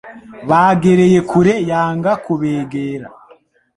bagereye kure yanga kubegera